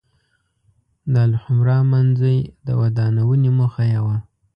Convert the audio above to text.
د الحمرأ منځۍ د ودانونې موخه یې وه.